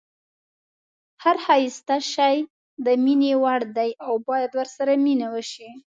هر ښایسته شی د مینې وړ دی او باید ورسره مینه وشي.